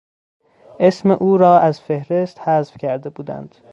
اسم او را از فهرست حذف کرده بودند.